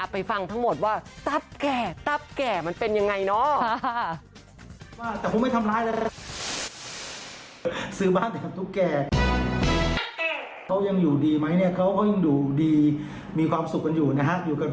ไปฟังทั้งหมดว่าตับแก่ตับแก่มันเป็นยังไงเนาะ